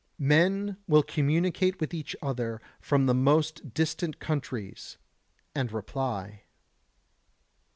Men will communicate with each other from the most distant countries, and reply.